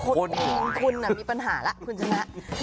คุณอ่ะมีปัญหาล่ะคุณจริง